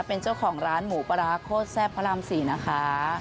เป็นเจ้าของร้านหมูปลาร้าโคตรแซ่บพระราม๔นะคะ